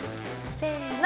せの！